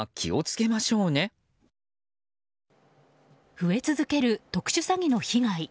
増え続ける特殊詐欺の被害。